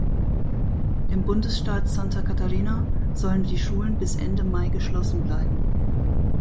Im Bundesstaat Santa Catarina sollen die Schulen bis Ende Mai geschlossen bleiben.